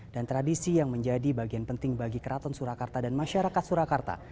dan tradisi yang menjadi bagian penting bagi keraton surakarta dan masyarakat surakarta